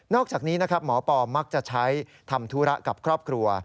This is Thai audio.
อกจากนี้นะครับหมอปอมักจะใช้ทำธุระกับครอบครัว